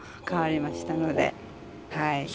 変わりましたので。